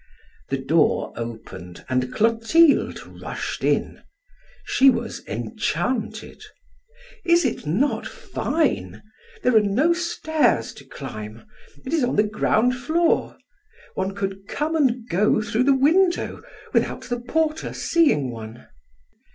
The door opened and Clotilde rushed in. She was enchanted. "Is it not fine? There are no stairs to climb; it is on the ground floor! One could come and go through the window without the porter seeing one."